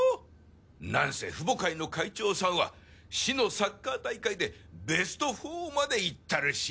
なんせ父母会の会長さんは市のサッカー大会でベスト４までいっとるし。